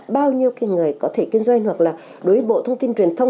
bao nhiêu cái người có thể kinh doanh hoặc là đối với bộ thông tin truyền thông